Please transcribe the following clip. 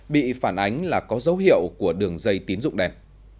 bị phản ánh là có dấu hiệu của đường dây tín dụng đen